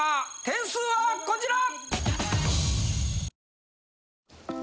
点数はこちら！